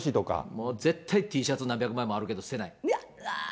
もう絶対Ｔシャツ、何百枚もあるけど、捨てない。